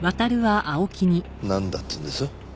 なんだって言うんです？